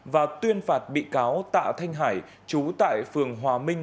và tuyên phạt bị cáo tạ thanh hải chú tại phường hòa minh